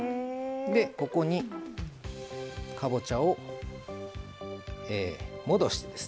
ここにかぼちゃを戻してですね。